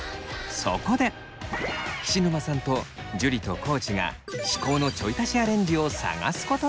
そこで菱沼さんと樹と地が至高のちょい足しアレンジを探すことに。